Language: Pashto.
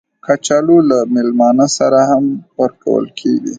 کچالو له میلمانه سره هم ورکول کېږي